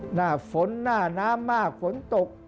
หน้าฝนหน้าน้ำมากฝนตก